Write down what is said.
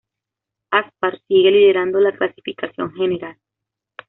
Aspar sigue liderando la clasificación general.